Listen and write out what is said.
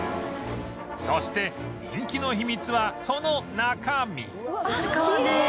そして人気の秘密はその中身